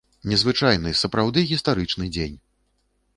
Незвычайны, сапраўды гістарычны дзень!